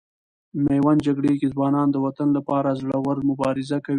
میوند جګړې کې ځوانان د وطن لپاره زړه ور مبارزه کوي.